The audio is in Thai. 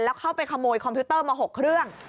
แล้วเข้าไปขโมยคอมพิวเตอร์มา๖เครื่อง